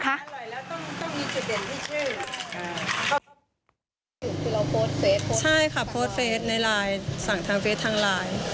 คือเราโพสเฟซใช่ค่ะโพสเฟซในลายสั่งทางเฟซทางลาย